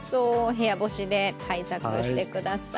部屋干しで対策してください。